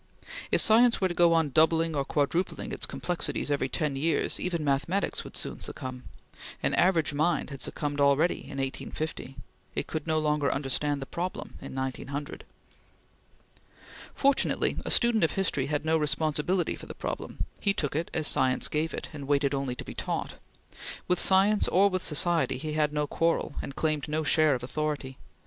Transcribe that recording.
If science were to go on doubling or quadrupling its complexities every ten years, even mathematics would soon succumb. An average mind had succumbed already in 1850; it could no longer understand the problem in 1900. Fortunately, a student of history had no responsibility for the problem; he took it as science gave it, and waited only to be taught. With science or with society, he had no quarrel and claimed no share of authority.